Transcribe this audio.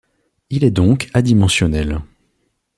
Il est donc adimensionnel.